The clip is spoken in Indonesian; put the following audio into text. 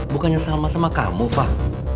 bukannya salma sama kamu fah